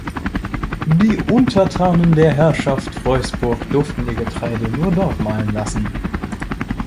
Die Untertanen der Herrschaft Freusburg durften ihr Getreide nur dort mahlen lassen.